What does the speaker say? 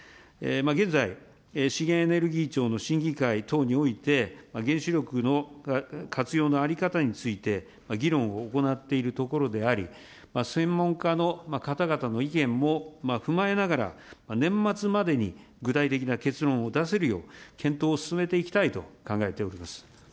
現在、資源エネルギー庁の審議会等において、原子力の活用の在り方について、議論を行っているところであり、専門家の方々の意見も踏まえながら、年末までに具体的な結論を出せるよう、検討を進めていきたいと考えております。